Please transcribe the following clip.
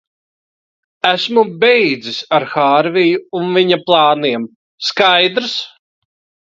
Esmu beidzis ar Hārviju un viņa plāniem, skaidrs?